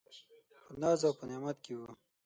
په ناز او په نعمت کي و .